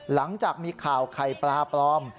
หลังจากมีข่าวไข่ปลาปลอม